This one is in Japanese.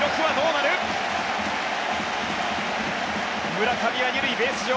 村上は２塁ベース上。